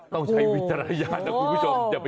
ต้องใช้วิจาระยานนะคุณผู้ชม